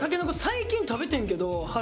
最近食べてんけど春で。